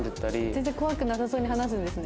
全然怖くなさそうに話すんですね。